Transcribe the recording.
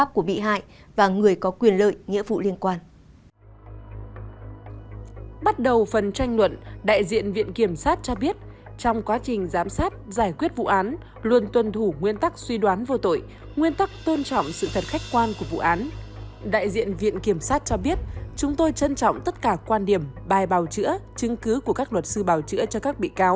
các bạn hãy đăng ký kênh để ủng hộ kênh của chúng mình nhé